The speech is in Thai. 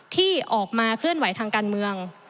ที่ออกมาเคลื่อนไหวทางการเมือง